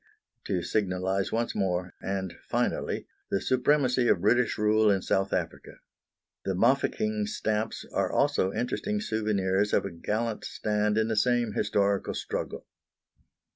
to signalise once more, and finally, the supremacy of British rule in South Africa. The Mafeking stamps are also interesting souvenirs of a gallant stand in the same historical struggle.